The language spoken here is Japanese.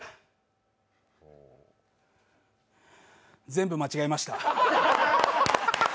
全部、間違えました。